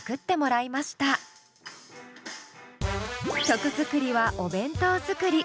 曲作りはお弁当作り。